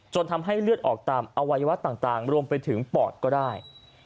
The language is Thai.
ทำให้เลือดออกตามอวัยวะต่างรวมไปถึงปอดก็ได้